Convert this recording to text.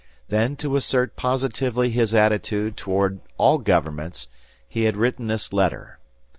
Then to assert positively his attitude toward all governments he had written this letter.